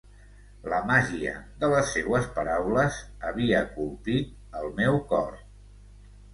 La màgia de les seues paraules havia colpit el meu cor.